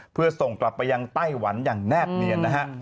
เพื่อส่งกลับไปยังไต้หวันอย่างแนบเนียนนะฮะ